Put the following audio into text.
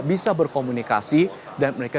bisa berkomunikasi dan mereka